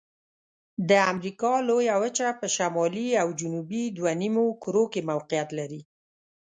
د امریکا لویه وچه په شمالي او جنوبي دوه نیمو کرو کې موقعیت لري.